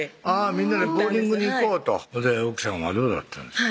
みんなでボウリングに行こうと奥さんはどうだったんですか？